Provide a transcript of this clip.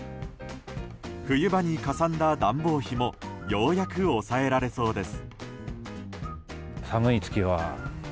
冬場にかさんだ暖房費もようやく抑えられそうです。